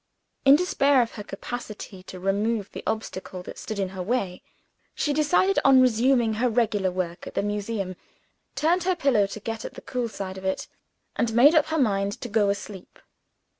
In despair of her capacity to remove the obstacle that stood in her way, she decided on resuming her regular work at the Museum turned her pillow to get at the cool side of it and made up her mind to go asleep.